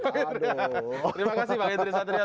terima kasih pak idris daryat